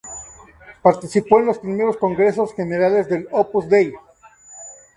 Participó en los primeros Congresos Generales del Opus Dei.